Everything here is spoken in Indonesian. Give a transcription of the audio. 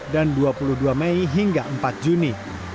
dan dua puluh dua mei hingga empat juni